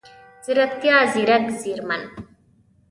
ځيرکتيا، ځیرک، ځیرمن،